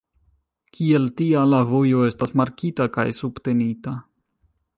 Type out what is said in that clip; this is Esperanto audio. Kiel tia, la vojo estas markita kaj subtenita.